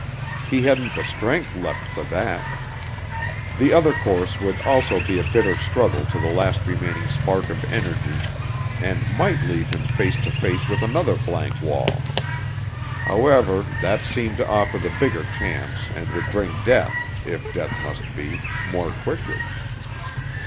He hadn't the strength left for that. The other course would also be a bitter struggle to the last remaining spark of energy and might leave him face to face with another blank wall. However, that seemed to offer the bigger chance and would bring death, if death must be, more quickly.